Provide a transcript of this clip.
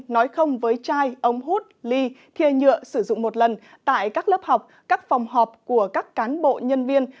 nói không với chai ống hút ly thiê nhựa sử dụng một lần tại các lớp học các phòng họp của các cán bộ nhân viên